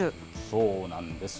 そうなんです。